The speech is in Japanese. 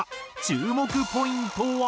注目ポイントは。